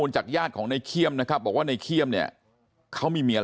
แล้วก็ยัดลงถังสีฟ้าขนาด๒๐๐ลิตร